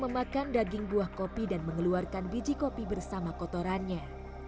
memakan daging buah kopi dan mengeluarkan biji kopi bersama kotorannya